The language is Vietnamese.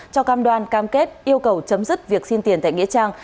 cho cam đoan cam kết yêu cầu chấm dứt việc xin tiền tại nghĩa trang